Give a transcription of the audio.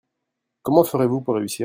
Comment ferez-vous pour réussir ?